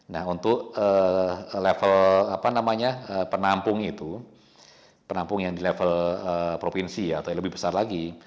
nah untuk level apa namanya penampung itu penampung yang di level provinsi atau yang lebih besar lagi